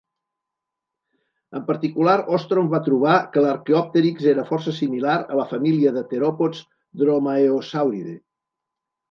En particular, Ostrom va trobar que l'"Arqueoptèrix" era força similar a la família de teròpods Dromaeosauridae.